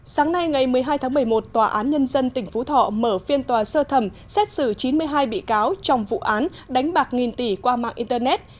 sáng nay ngày một mươi hai tháng một mươi một tòa án nhân dân tỉnh phú thọ mở phiên tòa sơ thẩm xét xử chín mươi hai bị cáo trong vụ án đánh bạc nghìn tỷ qua mạng internet